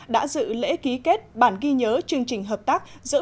đã dự lễ ký kết bản ghi nhớ chương trình hợp tác giữa ủy ban trung mương